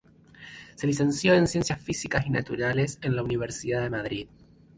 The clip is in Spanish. Se licenció en Ciencias Físicas y Naturales en la Universidad de Madrid.